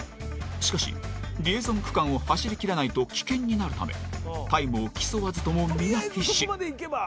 しかし、リエゾン区間を走り切らないと棄権になるためタイムを競わずとも皆、必死。